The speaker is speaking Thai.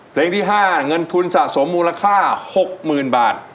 เพลงที่๕เงินทุนสะสมมูลค่า๖๐๐๐บาท